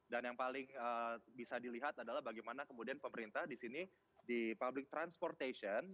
dan yang paling bisa dilihat adalah bagaimana kemudian pemerintah di sini di public transportation